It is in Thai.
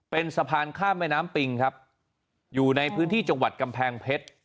เป็นสะพานข้ามแม่น้ำปิงครับอยู่ในพื้นที่จังหวัดกำแพงเพชร